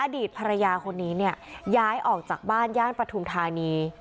อดีตภรรยาคนนี้เนี่ยย้ายออกจากบ้านย่านปฐุมธานี